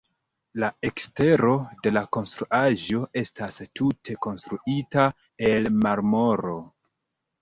La ekstero de la konstruaĵo estas tute konstruita el marmoro.